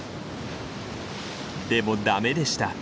でもだめでした。